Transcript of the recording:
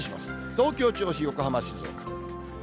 東京、銚子、横浜、静岡。